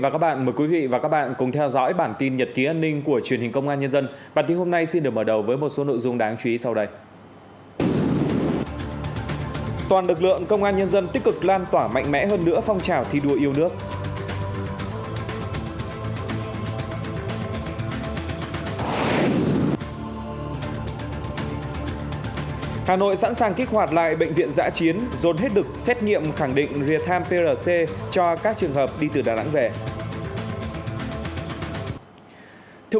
các bạn hãy đăng ký kênh để ủng hộ kênh của chúng mình nhé